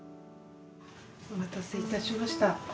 お待たせいたしました。